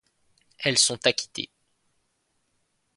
Elles sont acquittées.